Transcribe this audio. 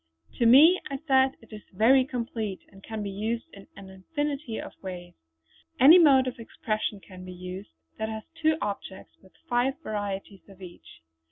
"To me," I said, "it is very complete, and can be used in an infinity of ways. Any mode of expression can be used that has two objects with five varieties of each."